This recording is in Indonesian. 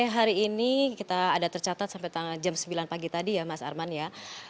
hari ini kita ada tercatat sampai jam sembilan pagi tadi ya mas arman ya